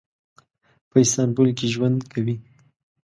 په استانبول کې ژوند کوي.